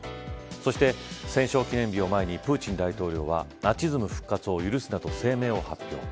そして戦勝記念日を前にプーチン大統領はナチズム復活を許すなと声明を発表。